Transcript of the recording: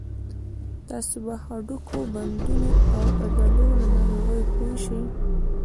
تاسې به د هډوکو، بندونو او عضلو له ناروغیو پوه شئ.